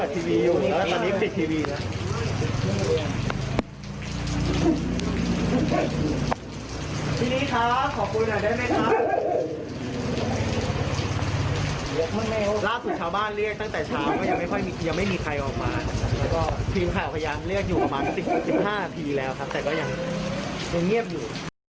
ทีมข่าวพยายามเลือกอยู่ประมาณ๑๕นาทีแล้วครับแต่ก็ยังเงียบอยู่